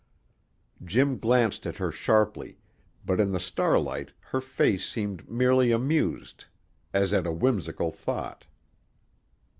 Jim glanced at her sharply, but in the starlight her face seemed merely amused as at a whimsical thought.